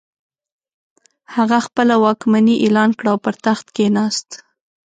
هغه خپله واکمني اعلان کړه او پر تخت کښېناست.